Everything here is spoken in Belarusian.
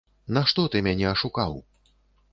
Нашто ты мяне ашукаў?